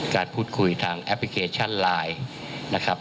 การพูดคุยทางแอปพลิเคชันไลน์นะครับ